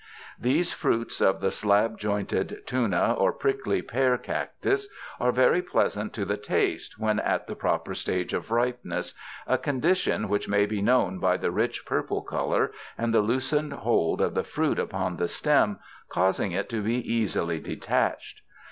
These fruits of the slab jointed tuna or prickly pear cac tus are very pleasant to the taste when at the proper stage of ripeness — a condition which may be known by the rich purple color and the loosened hold of the fruit upon the stem, causing it to be easily de tached.